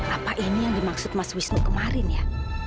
apa ini yang dimaksud mas wisnu kemarin ya